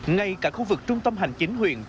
ngay cả khu vực trung tâm hành chính huyện